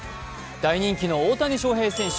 大人気の大谷翔平選手